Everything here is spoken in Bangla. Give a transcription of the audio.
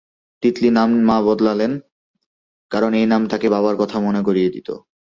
তিতলি নাম মা বদলালেন, কারণ এই নাম তাঁকে বাবার কথা মনে করিয়ে দিত।